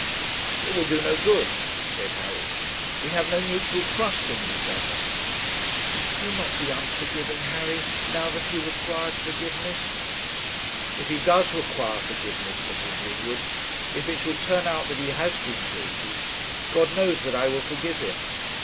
'It will do no good,' said Harry; 'we have no mutual trust in each other.' 'Do not be unforgiving, Harry, now that he requires forgiveness.' 'If he does require forgiveness, Mrs. Woodward, if it shall turn out that he has been guilty, God knows that I will forgive him.